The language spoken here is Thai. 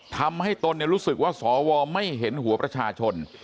ตนรู้สึกว่าสวไม่เห็นหัวประชาชน